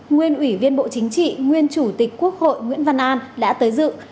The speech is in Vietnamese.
nguyên ủy viên bộ chính trị nguyên chủ tịch quốc hội nguyễn văn an đã tới dự